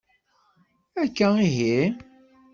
Akka ihi?